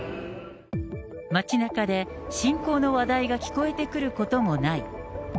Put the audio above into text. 街なかで、侵攻の話題が聞こえてくることもない。